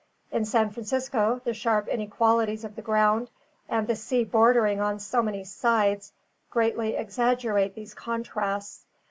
In San Francisco, the sharp inequalities of the ground, and the sea bordering on so many sides, greatly exaggerate these contrasts.